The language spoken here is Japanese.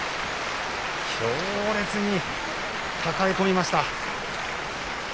強烈に抱え込みました。